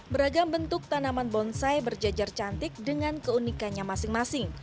beragam bentuk tanaman bonsai berjajar cantik dengan keunikannya masing masing